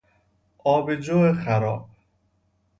آبجو خراب